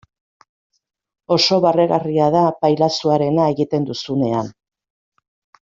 Oso barregarria da pailazoarena egiten duzunean.